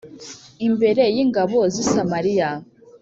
imbere y ingabo z i Samariya